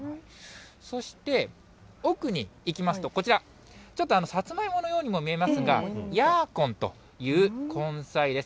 そして、奥にいきますと、こちら、ちょっとさつまいものようにも見えますが、ヤーコンという根菜です。